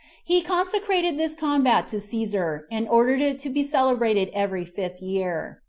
He consecrated this combat to Cæsar, and ordered it to be celebrated every fifth year.